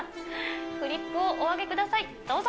フリップをお上げください、どうぞ。